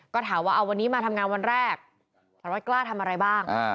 ก็ถามว่าเอาวันนี้มาทำงานวันแรกสารวัตกล้าทำอะไรบ้าง